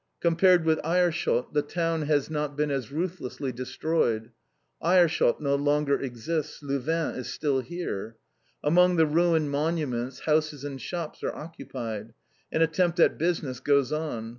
Compared with Aerschot, the town has not been as ruthlessly destroyed. Aerschot no longer exists. Louvain is still here. Among the ruined monuments, houses and shops are occupied. An attempt at business goes on.